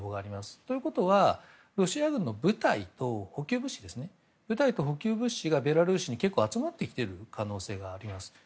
ということはロシア軍の部隊と補給物資がベラルーシに結構、集まってきている可能性があります。